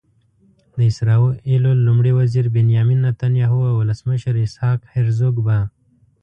د اسرائیلو لومړي وزير بنیامین نتنیاهو او ولسمشر اسحاق هرزوګ به.